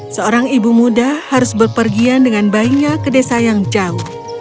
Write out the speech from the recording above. seorang ibu muda harus berpergian dengan bayinya ke desa yang jauh